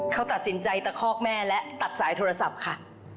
เขาตัดสินใจตะคอกแม่และตัดสายโทรศัพท์ค่ะ